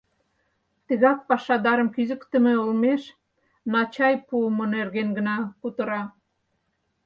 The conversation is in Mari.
Тыгак пашадарым кӱзыктымӧ олмеш «на чай» пуымо нерген гына кутыра.